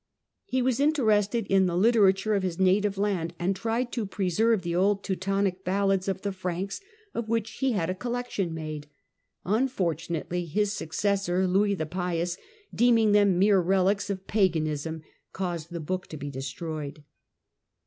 He was interested in the literature of his native land and tried to preserve the old Teutonic ballads of the Franks of which he had a collection made. Un fortunately his successor, Louis the Pious, deeming them mere relics of paganism, caused the book to be destroyed.